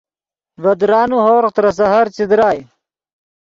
ڤے درانے ہورغ ترے سحر چے درائے